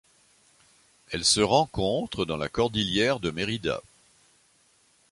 Elle se rencontre dans la cordillère de Mérida.